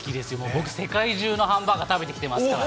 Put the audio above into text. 僕、世界中のハンバーガー食べてきてますから。